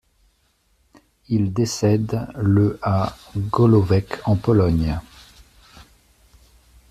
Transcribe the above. Il décède le à Gawłówek en Pologne.